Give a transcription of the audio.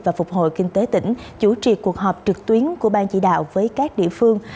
và phục hồi kinh tế tỉnh chủ trì cuộc họp trực tuyến của ban chỉ đạo với các địa phương